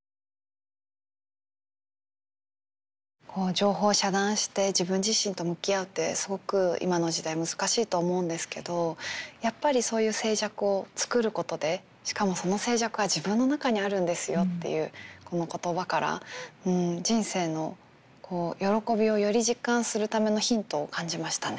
情報を遮断して自分自身と向き合うってすごく今の時代難しいと思うんですけどやっぱりそういう静寂を作ることでしかもその静寂は自分の中にあるんですよっていうこの言葉から人生の喜びをより実感するためのヒントを感じましたね。